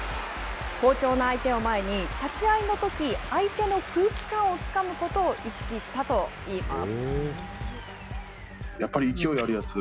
好調な相手を前に立ち合いのとき相手の空気感をつかむことを意識したと言います。